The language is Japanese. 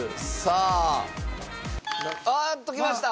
あーっときました。